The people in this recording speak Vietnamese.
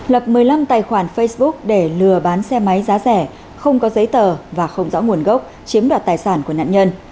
lập một mươi năm tài khoản facebook để lừa bán xe máy giá rẻ không có giấy tờ và không rõ nguồn gốc chiếm đoạt tài sản của nạn nhân